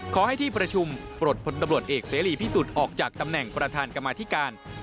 ขอให้ที่ประชุมปลดพลตำรวจเอกเสรีพิสุทธิ์ออกจากตำแหน่งประธานกรรมาธิการ